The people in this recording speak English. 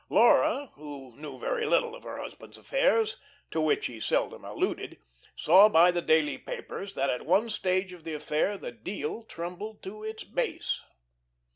Laura, who knew very little of her husband's affairs to which he seldom alluded saw by the daily papers that at one stage of the affair the "deal" trembled to its base.